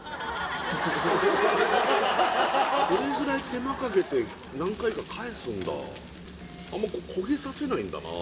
これぐらい手間かけて何回か返すんだあんま焦げさせないんだな